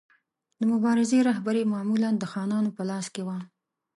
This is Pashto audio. د مبارزې رهبري معمولا د خانانو په لاس کې وه.